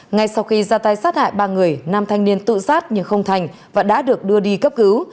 ngay sau khi ra tay sát hại ba người nam thanh niên tự sát nhưng không thành và đã được đưa đi cấp cứu